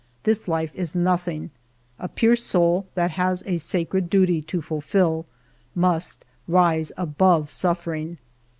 This life is nothing ! A pure soul that has a sacred duty to fulfil must rise above suffering.